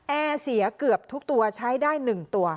แอร์เสียเกือบทุกตัวใช้ได้๑ตัว